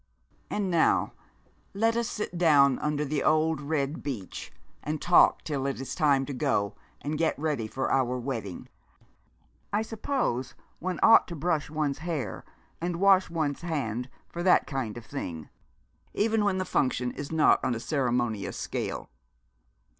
And now let us sit down under the old red beech and talk till it is time to go and get ready for our wedding. I suppose one ought to brush one's hair and wash one's hands for that kind of thing, even when the function is not on a ceremonious scale.'